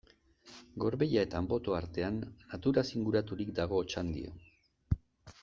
Gorbeia eta Anboto artean, naturaz inguraturik dago Otxandio.